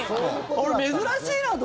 俺、珍しいなって。